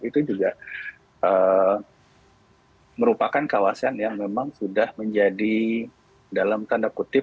itu juga merupakan kawasan yang memang sudah menjadi dalam tanda kutip